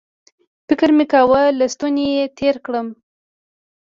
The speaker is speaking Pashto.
فکر مې کاوه له ستوني یې تېر کړم